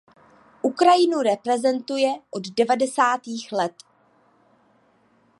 Ukrajinu reprezentuje od devadesátých let.